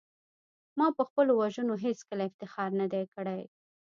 ما په خپلو وژنو هېڅکله افتخار نه دی کړی